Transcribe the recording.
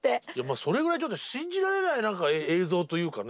それぐらいちょっと信じられない映像というかね。